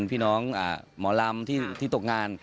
พี่น้องหมอลำที่ตกงาน